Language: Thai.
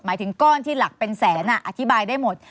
หมายถึงก้อนที่หลักเป็นแสนอธิบายได้หมด